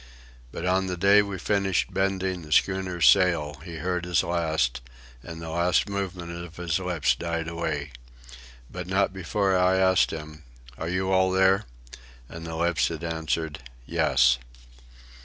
But on the day we finished bending the schooner's sails, he heard his last, and the last movement of his lips died away—but not before I had asked him, "Are you all there?" and the lips had answered, "Yes."